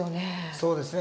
そうですね。